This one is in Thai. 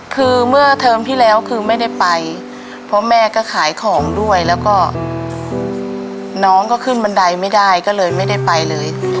คือเมื่อเทอมที่แล้วคือไม่ได้ไปเพราะแม่ก็ขายของด้วยแล้วก็น้องก็ขึ้นบันไดไม่ได้ก็เลยไม่ได้ไปเลย